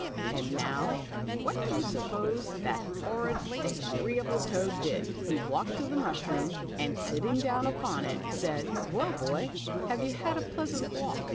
And now, what do you sup pose that horrid, disagreeable toad did ? He walked to the mushroom, and sitting down upon it, said, "Well, Boy, have you had a pleasant walk?"